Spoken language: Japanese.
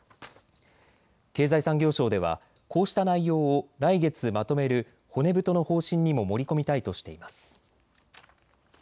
経済産業省ではこうした内容を来月まとめる骨太の方針にも盛り込みたいとしています。